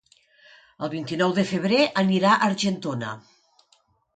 El vint-i-nou de febrer anirà a Argentona.